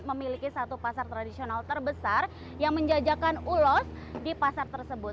memiliki satu pasar tradisional terbesar yang menjajakan ulos di pasar tersebut